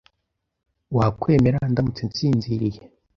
Wakwemera ndamutse nsinziriye?